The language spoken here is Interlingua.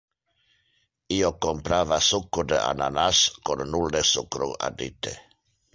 Io comprava succo de ananas con nulle sucro addite.